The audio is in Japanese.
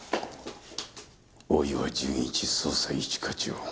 大岩純一捜査一課長。